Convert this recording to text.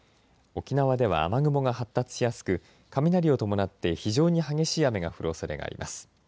沖縄では雨雲が発達しやすく雷を伴って非常に激しい雨が降るおそれがあります。